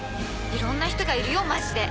いろんな人がいるよマジで。